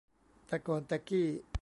แต่ก่อนแต่กี้